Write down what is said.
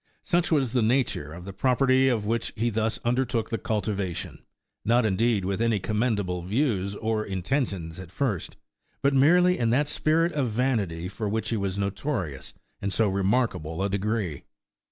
33 Such was the nature of the property of which he thus undertook the cultivation, not, indeed, with any commendable views or mten tions at first, but merely in that spirit of vanity for which he was notorious in so remarkable a degree.